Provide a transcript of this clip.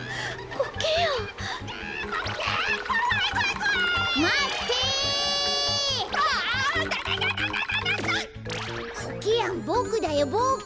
コケヤンボクだよボク！